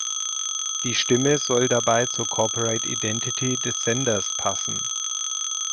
Die Stimme soll dabei zur Corporate Identity des Senders passen.